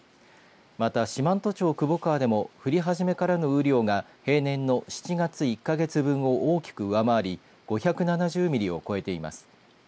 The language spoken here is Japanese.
また、四万十町窪川でも降り始めからの雨量が平年の７月１か月分を大きく上回り５７０ミリを超えています。